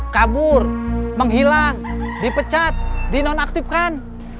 kabur menghilang dipecat dinonaktifkan